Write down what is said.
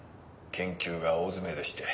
研究が大詰めでして。